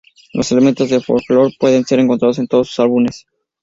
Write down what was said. Los elementos de folklore pueden ser encontrados en todos sus álbumes.